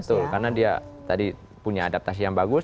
betul karena dia tadi punya adaptasi yang bagus